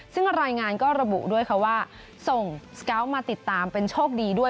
ซึ่งรายงานก็ระบุด้วยค่ะว่าส่งสเกาะมาติดตามเป็นโชคดีด้วย